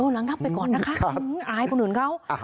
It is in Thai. ระงับไปก่อนนะคะอายคนอื่นเขา